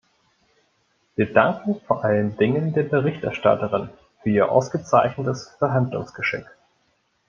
Wir danken vor allen Dingen der Berichterstatterin für ihr ausgezeichnetes Verhandlungsgeschick.